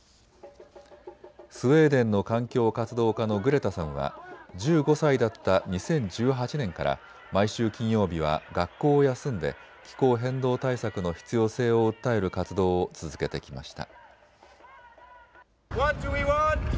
スウェーデンの環境活動家のグレタさんは１５歳だった２０１８年から毎週金曜日は学校を休んで気候変動対策の必要性を訴える活動を続けてきました。